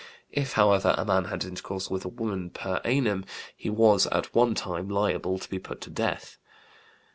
If, however, a man had intercourse with a woman per anum he was at one time liable to be put to death.